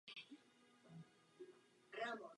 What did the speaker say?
Pohoří je součástí Skalnatých hor.